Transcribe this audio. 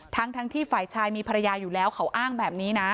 ทั้งที่ฝ่ายชายมีภรรยาอยู่แล้วเขาอ้างแบบนี้นะ